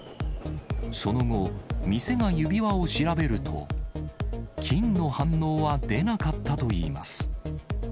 その後、店が指輪を調べると、金の反応は出なかったといいます。